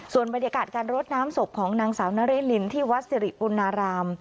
ส่วนบรรยากาศการรดน้ำศพของนางสาวนริลินที่วัดสิริปุณาราม